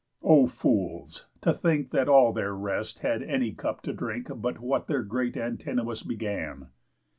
O fools, to think That all their rest had any cup to drink But what their great Antinous began!